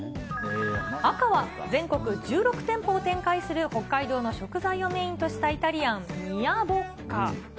赤は、全国１６店舗を展開する北海道の食材をメインとしたイタリアン、ミアボッカ。